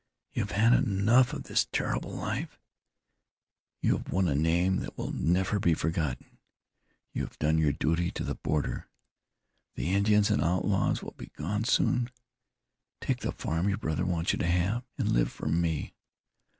You have had enough of this terrible life; you have won a name that will never be forgotten; you have done your duty to the border. The Indians and outlaws will be gone soon. Take the farm your brother wants you to have, and live for me.